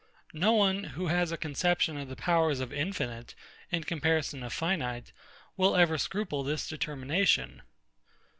No one, who has a conception of the powers of infinite, in comparison of finite, will ever scruple this determination.